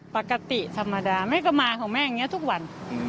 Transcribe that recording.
ปกติธรรมดาแม่ก็มาของแม่อย่างนี้ทุกวัน